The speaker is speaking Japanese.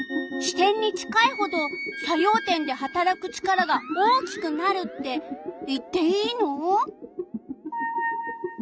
支点に近いほど作用点ではたらく力が大きくなるって言っていいの？